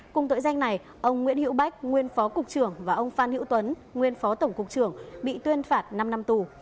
cùng tội danh này ông nguyễn hữu bách nguyên phó cục trưởng và ông phan hữu tuấn nguyên phó tổng cục trưởng bị tuyên phạt năm năm tù